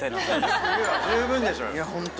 十分でしょうよ。